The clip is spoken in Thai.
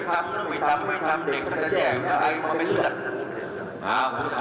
อ่ะนายยกถามว่าถ้าใช้มาตรการเด็ดขาดประชาชนโอ้โหมันก็ไม่มีความคิดว่าจะต้องการแบบนี้